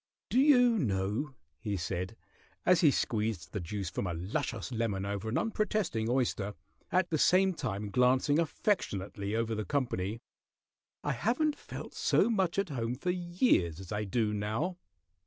"Do you know," he said, as he squeezed the juice from a luscious lemon over an unprotesting oyster, at the same time glancing affectionately over the company, "I haven't felt so much at home for years as I do now."